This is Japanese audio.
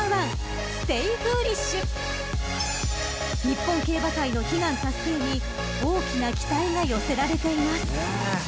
［日本競馬界の悲願達成に大きな期待が寄せられています］